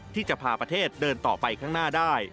ที่จะพาประเทศเดินต่อไปข้างหน้าได้